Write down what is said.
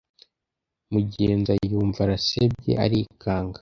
Mugenza yumva arasebye arikanga